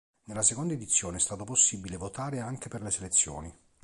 Nella seconda edizione è stato possibile votare anche per le selezioni.